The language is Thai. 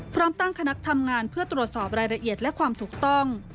พร้อมตั้งคณะทำงานเพื่อตรวจสอบรายละเอียดและความถูกต้อง